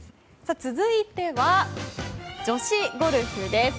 続いては、女子ゴルフです。